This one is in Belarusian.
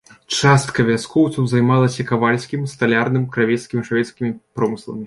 Частка вяскоўцаў займалася кавальскім, сталярным, кравецкім і шавецкім промысламі.